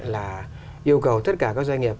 là yêu cầu tất cả các doanh nghiệp